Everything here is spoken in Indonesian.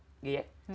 seorang budak belia